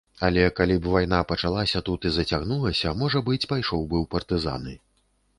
Але, калі б вайна пачалася тут і зацягнулася, можа быць, пайшоў бы ў партызаны.